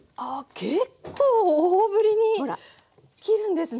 結構大ぶりに切るんですね。